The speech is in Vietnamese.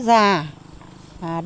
và lấy bỏ